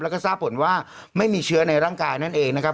แล้วก็ทราบผลว่าไม่มีเชื้อในร่างกายนั่นเองนะครับ